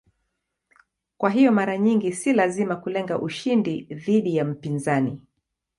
Kwa hiyo mara nyingi si lazima kulenga ushindi dhidi ya mpinzani.